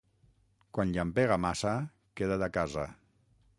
Quan llampega massa queda't a casa.